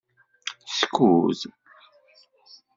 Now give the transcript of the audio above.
Skud.